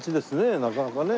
なかなかね。